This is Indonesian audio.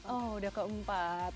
oh udah keempat